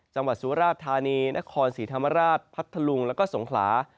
สุราชธานีนครศรีธรรมราชพัทธลุงแล้วก็สงขลา